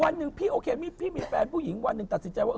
วันหนึ่งพี่โอเคพี่มีแฟนผู้หญิงวันหนึ่งตัดสินใจว่า